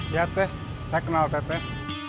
iya teh saya kenal teh teh